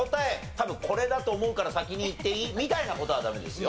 多分これだと思うから先にいっていい？みたいな事はダメですよ。